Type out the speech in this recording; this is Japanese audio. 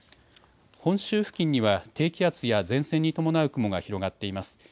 本州付近には低気圧や前線に伴う雲が広がっています。